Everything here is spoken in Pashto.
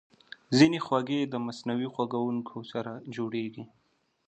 ځینې خوږې د مصنوعي خوږونکو سره جوړېږي.